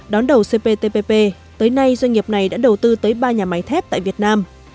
đón đầu cptpp tới nay doanh nghiệp này đã đầu tư tới ba nhà máy thép tại việt nam